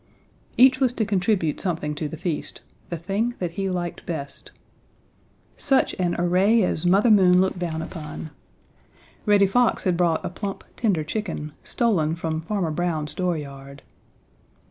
Each was to contribute something to the feast the thing that he liked best. Such an array as Mother Moon looked down upon! Reddy Fox had brought a plump, tender chicken, stolen from Farmer Brown's dooryard.